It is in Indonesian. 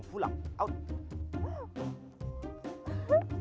sekarang aku mau pulang